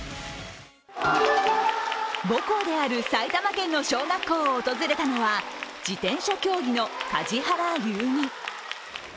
母校である埼玉県の小学校を訪れたのは自転車競技の梶原悠未。